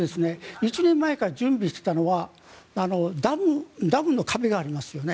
１年前から準備していたのはダムの壁がありますよね。